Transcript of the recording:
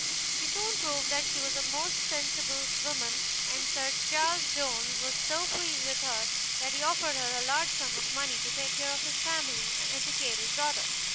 She soon proved that she was a most sensible woman, and Sir Charles Jones was so pleased with her, that he offered her a large sum of money to take care of his family, and educate his daughter.